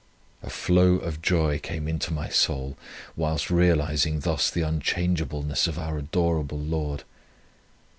A flow of joy came into my soul whilst realising thus the unchangeableness of our adorable Lord.